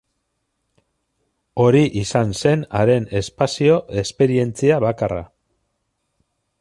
Hori izan zen haren espazio esperientzia bakarra.